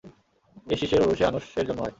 এ শীছের ঔরসে আনূশ-এর জন্ম হয়।